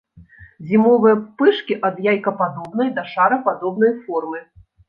Зімовыя пупышкі ад яйкападобнай да шарападобнай формы.